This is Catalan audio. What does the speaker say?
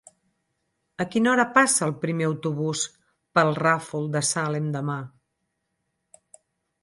A quina hora passa el primer autobús per el Ràfol de Salem demà?